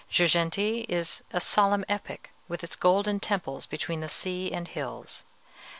Girgenti is a solemn epic, with its golden temples between the sea and hills.